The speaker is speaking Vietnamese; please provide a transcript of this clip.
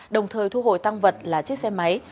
đồng thời thu hồi tăng vật là chiếc xe máy